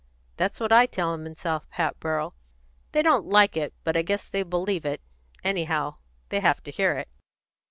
That's what I tell 'em at South Hatboro'. They don't like it, but I guess they believe it; anyhow they have to hear it.